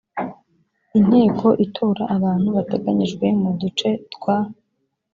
inteko itora abantu bateganyijwe mu duce twa